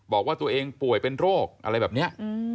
บอกว่าตัวเองป่วยเป็นโรคอะไรแบบนี้